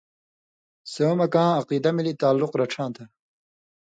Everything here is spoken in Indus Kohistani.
سیوں مہ کاں عقیدہ مِلیۡ تعلق رڇھاں تھہ